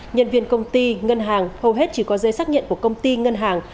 nhân viên công ty ngân hàng hầu hết chỉ có giấy xác nhận của công ty ngân hàng